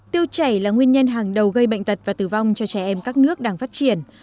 tiêu chảy là nguyên nhân hàng đầu gây bệnh tật và tử vong cho trẻ em các nước đang phát triển